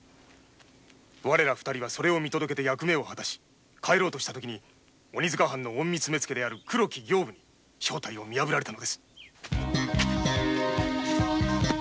我ら二人はそれを見届けて役目を果たし帰ろうとした時に隠密目付である黒木刑部に正体を見破られた。